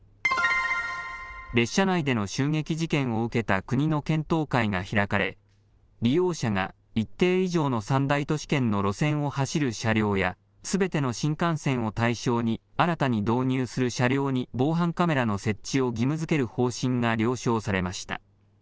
列車内での襲撃事件を受けた国の検討会が開かれ、利用者が一定以上の３大都市圏の路線を走る車両や、すべての新幹線を対象に、新たに導入する車両に防犯カメラの設置を義務づける方針が了承されました。